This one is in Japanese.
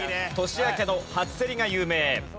年明けの初競りが有名。